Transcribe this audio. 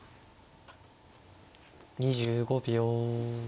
２５秒。